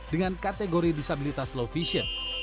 dengan kategori disabilitas low vision